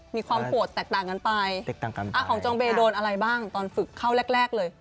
มีความโหดแตกต่างกันไปของจองเบย์โดนอะไรบ้างตอนฝึกเข้าแรกแรกเลย